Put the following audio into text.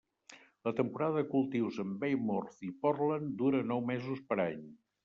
La temporada de cultius en Weymouth i Portland dura nou mesos per any.